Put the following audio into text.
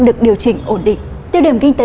được điều chỉnh ổn định tiêu điểm kinh tế